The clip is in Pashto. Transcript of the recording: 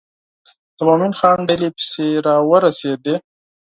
د مومن خان ډلې پسې را ورسېدې.